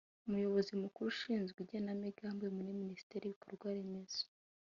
Umuyobozi Mukuru Ushinzwe Igenamigambi muri Minisiteri y’Ibikorwa Remezo